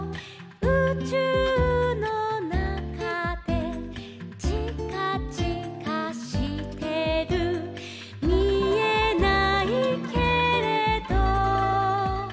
「うちゅうのなかで」「ちかちかしてる」「みえないけれど」